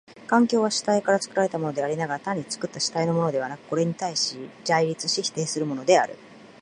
環境は主体から作られたものでありながら、単に作った主体のものではなく、これに対立しこれを否定するものである。